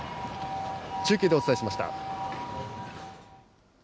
中継でお伝えしました。